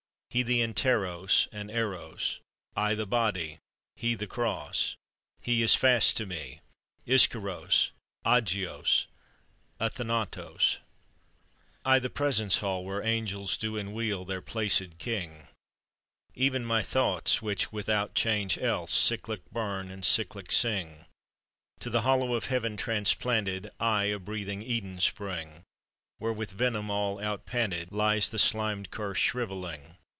He the Anteros and Eros, I the body, He the Cross; He is fast to me, Ischyros, Agios Athanatos! "I, the presence hall where Angels Do enwheel their placèd King Even my thoughts which, without change else, Cyclic burn and cyclic sing. To the hollow of Heaven transplanted, I a breathing Eden spring, Where with venom all outpanted Lies the slimed Curse shrivelling.